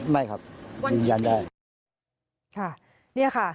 ไม่ครับยืนยันได้